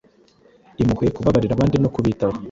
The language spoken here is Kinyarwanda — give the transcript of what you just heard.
impuhwe, kubabarira abandi no kubitaho.